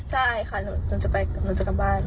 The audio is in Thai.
ใช่ค่ะหนูจะไปหนูจะกลับบ้าน